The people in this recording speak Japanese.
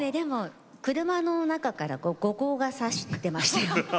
車の中から後光がさしていましたよ。